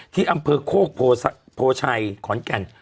ที่อำเภอโคกโพชัยขอนแก่น